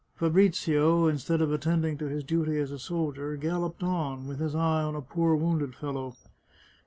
Fabrizio, instead of attend ing to his duty as a soldier, galloped on, with his eye on a poor wounded fellow.